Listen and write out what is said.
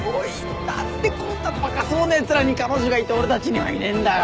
何でこんなバカそうなやつらに彼女がいて俺たちにはいねえんだよ！